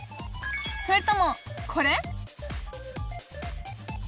それともこれ？